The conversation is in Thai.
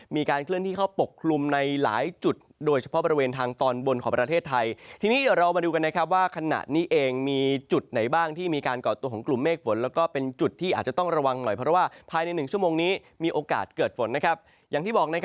เมฆฝนและก็เป็นจุดที่อาจจะต้องระวังหน่อยเพราะว่าภายใน๑ชั่วโมงนี้มีโอกาสเกิดฝนนะครับอย่างที่บอกนะ